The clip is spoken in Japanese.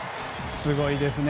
すごいですね。